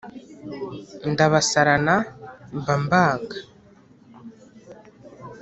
ndabasarana mba mbanga!